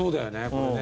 これね